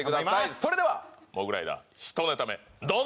それではモグライダー１ネタ目どうぞ！